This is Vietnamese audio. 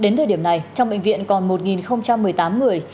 đến thời điểm này trong bệnh viện còn một một mươi tám người